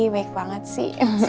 baik banget sih